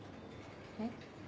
えっ？